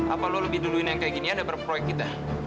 apa lu lebih duluin yang kayak gini daripada proyek kita